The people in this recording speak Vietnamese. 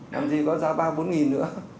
làm gì có ra ba bốn nghìn nữa